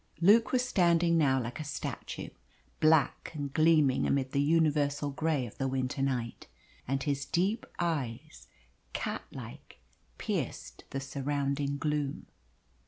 Luke was standing now like a statue black and gleaming amid the universal grey of the winter night, and his deep eyes, cat like, pierced the surrounding gloom.